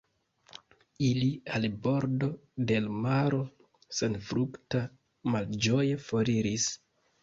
Ili al bordo de l' maro senfrukta malĝoje foriris.